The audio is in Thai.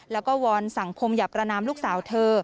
แล้วก็วรรณสังคมหยับกระนามลูกสาวเธอ